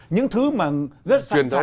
những thứ mà rất sạch sạch